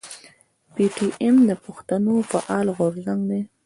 پي ټي ايم د پښتنو فعال غورځنګ دی.